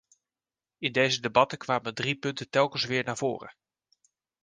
In deze debatten kwamen drie punten telkens weer naar voren.